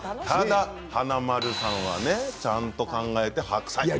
ただ華丸さんはねちゃんと考えて白菜。